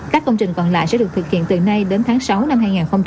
các công trình còn lại sẽ được thực hiện từ nay đến tháng sáu năm hai nghìn hai mươi